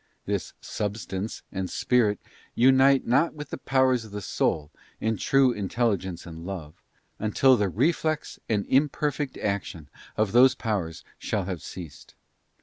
This substance and Spirit unite not with the powers of the soul in true intelligence and love, until the reflex and imperfect action of those powers shall have ceased.